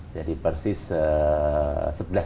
jadi persis sepuluh